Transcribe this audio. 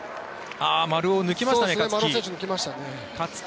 丸尾を抜きましたね勝木。